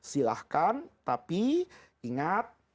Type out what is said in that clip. silahkan tapi ingat